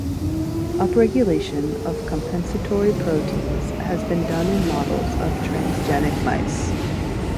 Upregulation of compensatory proteins has been done in models of transgenic mice.